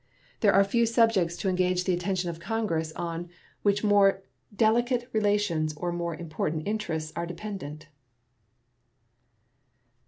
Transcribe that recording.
There are few subjects to engage the attention of Congress on which more delicate relations or more important interests are dependent.